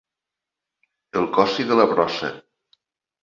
El cossi de la brossa.